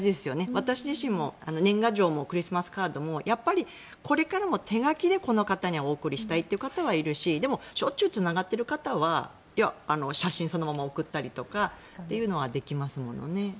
私自身も年賀状もクリスマスカードもやっぱりこれからも手書きでこの方にはお送りしたいという方もいるしでもしょっちゅうつながってる方は写真をそのまま送ったりというのはできますものね。